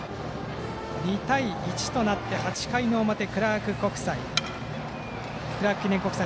２対１となって８回の表、クラーク記念国際。